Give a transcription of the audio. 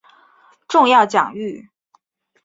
重要奖誉